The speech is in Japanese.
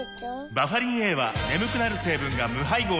バファリンＡは眠くなる成分が無配合なんです